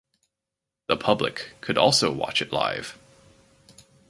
The public could also watch it live.